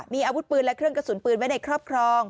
มีอาวุธปืนและเครื่องกระสุนปืนไว้ในครอบครอง